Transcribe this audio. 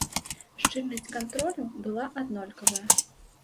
Шчыльнасць кантролю была аднолькавая.